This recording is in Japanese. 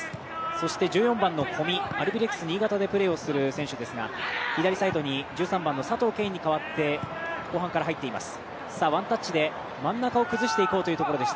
そして１４番の小見アルビレックス新潟でプレーをする選手ですから左サイドに１３番佐藤恵允に代わって後半から入っています。